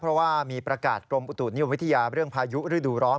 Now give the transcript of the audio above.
เพราะว่ามีประกาศกรมอุตุนิยมวิทยาเรื่องพายุฤดูร้อน